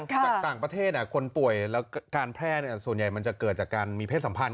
จากต่างประเทศคนป่วยและการแพร่ส่วนใหญ่มันจะเกิดจากการมีเพศสัมพันธ